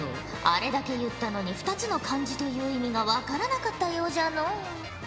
あれだけ言ったのに２つの漢字という意味が分からなかったようじゃのう。